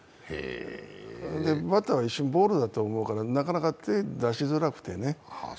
バッターは一瞬ボールだと思うからなかなか手出しづらくてね。